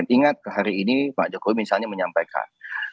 ingat hari ini pak jokowi misalnya menyampaikan